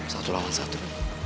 satu lawan satu